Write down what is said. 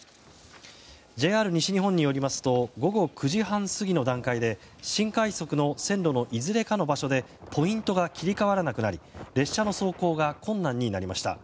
ＪＲ西日本によりますと午後９時半過ぎの段階で新快速の線路のいずれかの場所でポイントが切り替わらなくなり列車の走行が困難になりました。